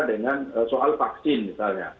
dengan soal vaksin misalnya